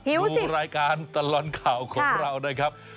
ดูรายการตลอดข่าวของเรานะครับ